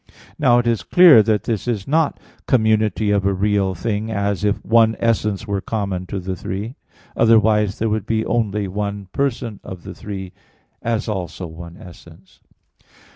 Now it is clear that this is not community of a real thing, as if one essence were common to the three; otherwise there would be only one person of the three, as also one essence.